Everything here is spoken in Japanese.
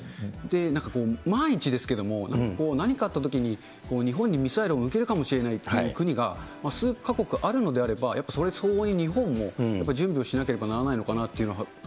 なんかこう、万一ですけども、何かあったときに、日本にミサイルを向けるかもしれないという国が、数か国あるのであれば、やっぱそれ相応に日本もやっぱり準備をしなければならなですよね。